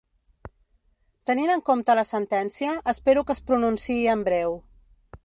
Tenint en compte la sentència, espero que es pronunciï en breu.